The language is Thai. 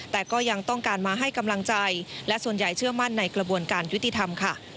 แต่ก็ยังต้องการมาให้กำลังใจและส่วนใหญ่เชื่อมั่นในกระบวนการยุติธรรมค่ะ